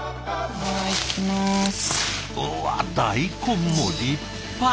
うわ大根も立派！